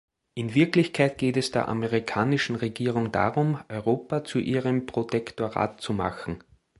In Wirklichkeit geht es der amerikanischen Regierung darum, Europa zu ihrem Protektorat zu machen.